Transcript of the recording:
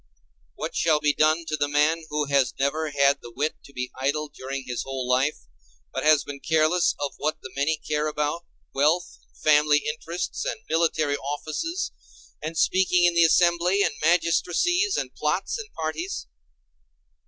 What shall be done to the man who has never had the wit to be idle during his whole life; but has been careless of what the many care about—wealth and family interests, and military offices, and speaking in the assembly, and magistracies, and plots, and parties.